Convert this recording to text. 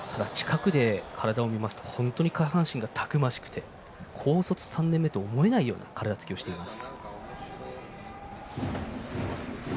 近くで体を見ますと下半身がたくましくて高卒３年目とは思えない体つきをしています。